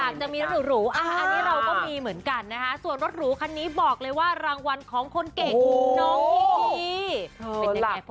มันจะมีรถหรูอ่าอันนี้เราก็มีเหมือนกันนะคะส่วนรถหรูคันนี้บอกเลยว่ารางวัลของคนเก่งคู่น้องพีพี